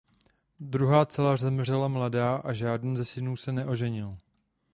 Druhá dcera zemřela mladá a žádný ze synů se neoženil.